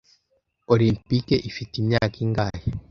Olempike ifite imyaka ingahe